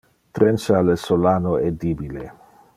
Trencha le solano edibile.